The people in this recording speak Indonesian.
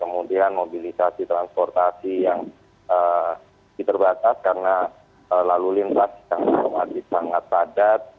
mobilisasi transportasi yang diterbatas karena lalu lintas jemaah haji sangat padat